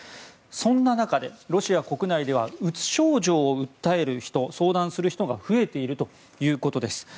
そんな中で、ロシア国内ではうつ症状を訴える人相談する人が増えているということです。